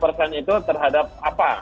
tujuh puluh persen itu terhadap apa